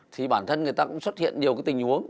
thì bản thân người ta cũng xuất hiện nhiều cái tình huống